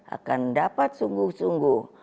akan dapat sungguh sungguh